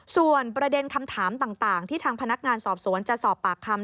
ส่วนประเด็นคำถามต่างที่ทางพนักงานสอบสวนจะสอบปากคำ